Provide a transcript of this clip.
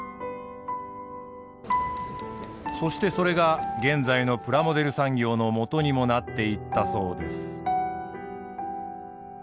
そしてそれが現在のプラモデル産業のもとにもなっていったそうです。